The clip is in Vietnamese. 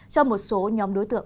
cho một số nhóm đối tượng